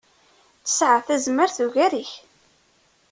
Tesɛa tazmert ugar-ik.